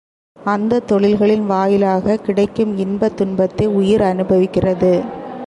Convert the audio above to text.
அந்தத் தொழில்களின் வாயிலாகக் கிடைக்கும் இன்ப துன்பத்தை உயிர் அநுபவிக்கிறது.